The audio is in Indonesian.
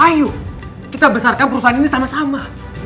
ayo kita besarkan perusahaan ini sama sama